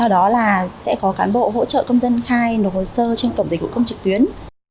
bộ hỗ trợ công dân khai nộp hồ sơ trên cổng dịch vụ công trực tuyến